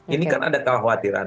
ini kan ada kekhawatiran